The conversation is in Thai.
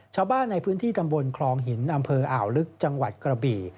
ชาวบ้านในพื้นที่ตำบลคลองหินอำเภออ่าวลึกจังหวัดกระบี่